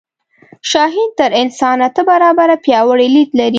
شاهین تر انسان اته برابره پیاوړی لید لري